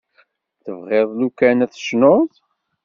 Tebɣiḍ lukan ad tecnuḍ?